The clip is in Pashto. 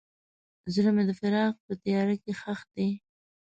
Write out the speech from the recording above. زړه مې د فراق په تیاره کې ښخ دی.